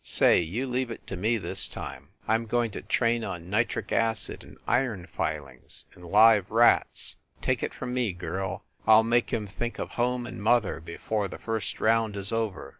Say, you leave it to me this time! I m going to train on nitric acid and iron filings and live rats. Take it from me, girl, I ll make him think of home and mother before the first round is over.